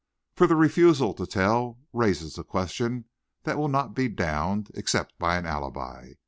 For the refusal to tell raises a question that will not be downed, except by an alibi.